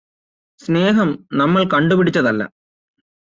സ്നേഹം നമ്മള് കണ്ടുപിടിച്ചതല്ല